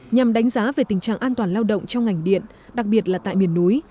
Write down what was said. nhằm đánh giá về tình trạng an toàn lao động trong ngành điện đặc biệt là tại miền núi